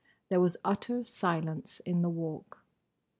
There was utter silence in the Walk.